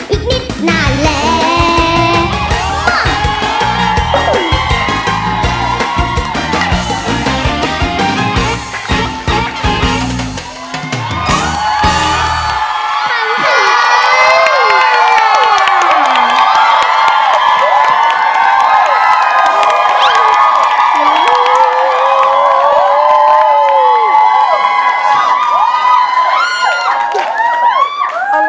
อีกนิดหน่าแล้ว